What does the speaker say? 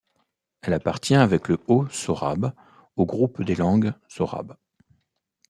Elle appartient, avec le haut sorabe, au groupe des langues sorabes.